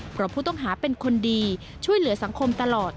เพราะผู้ต้องหาเป็นคนดีช่วยเหลือสังคมตลอด